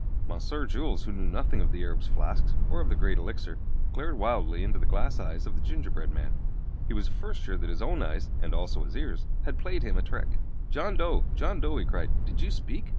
Monsieur Jules, who knew nothing of the Arab's flasks, or of the Great Elixir, glared wildly into the glass eyes of the gingerbread man. He was at first sure that his own eyes, and also his ears, had played him a trick. "John Dough John Dough!" he cried, "did you speak?